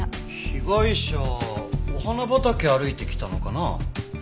被害者お花畑を歩いてきたのかな？